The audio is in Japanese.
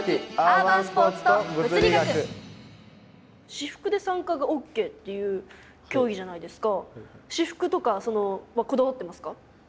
私服で参加がＯＫっていう競技じゃないですか。